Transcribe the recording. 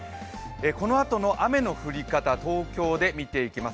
このあとの雨の降り方、東京で見ていきます。